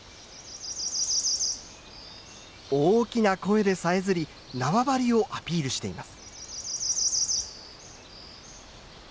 大きな声でさえずり縄張りをアピールしています。